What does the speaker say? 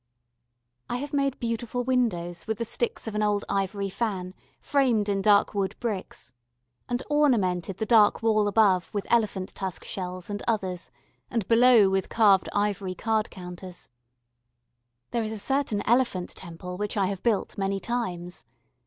I have made beautiful windows with the sticks of an old ivory fan, framed in dark wood bricks, and ornamented the dark wall above with elephant tusk shells and others, and below with carved ivory card counters. [Illustration: THE ELEPHANT TEMPLE.] There is a certain Elephant Temple which I have built many times.